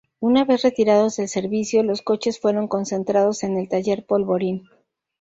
Una vez retirados del servicio, los coches fueron concentrados en el taller Polvorín.